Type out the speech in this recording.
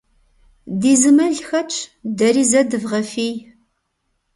Ди зы мэл хэтщ, дэри зэ дывгъэфий.